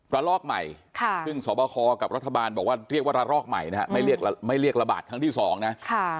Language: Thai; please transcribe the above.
ระลอกใหม่ค่ะซึ่งสวบคอร์กับรัฐบาลเรียกว่าระลอกใหม่นะไม่เรียกระบาดครั้งที่สองนะค่ะ